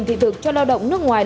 năm thị thực cho lao động nước ngoài